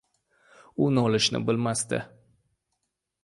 U nolishni bilmasdi.